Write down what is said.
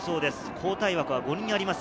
交代枠は５人あります。